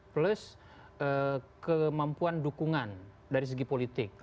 plus kemampuan dukungan dari segi politik